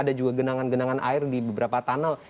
ada juga genangan genangan air di beberapa tunnel